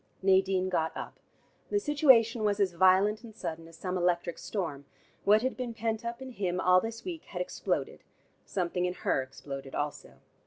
Nadine got up. The situation was as violent and sudden as some electric storm. What had been pent up in him all this week, had exploded: something in her exploded also.